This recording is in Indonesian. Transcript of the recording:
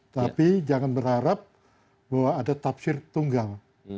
tapi jangan berharap bahwa ada tafsir tunggal